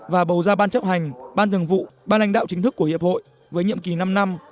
và bầu ra ban chấp hành ban thường vụ ban lãnh đạo chính thức của hiệp hội với nhiệm kỳ năm năm